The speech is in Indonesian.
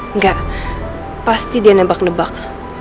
enggak pasti dia nebak nebak